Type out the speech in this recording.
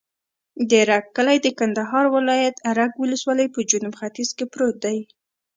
د رګ کلی د کندهار ولایت، رګ ولسوالي په جنوب ختیځ کې پروت دی.